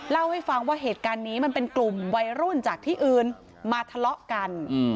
เล่าให้ฟังว่าเหตุการณ์นี้มันเป็นกลุ่มวัยรุ่นจากที่อื่นมาทะเลาะกัน